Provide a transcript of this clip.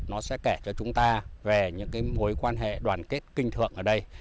nó sẽ kể cho chúng ta về những cái mối quan hệ đoàn kết kinh thượng ở đây